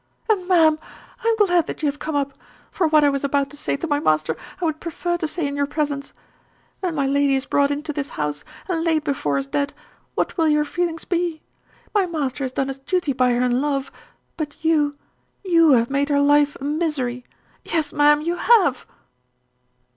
"And, ma'am, I am glad that you have come up; for what I was about to say to my master I would prefer to say in your presence. When my lady is brought into this house, and laid before us dead, what will your feelings be? My master has done his duty by her in love; but you you have made her life a misery. Yes, ma'am, you have."